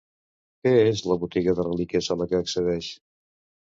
Què és la botiga de relíquies a la que accedeix?